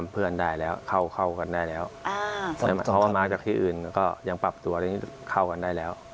เพราะว่ามากจากที่อื่นก็ยังปรับตัวเข้ากันได้แล้ว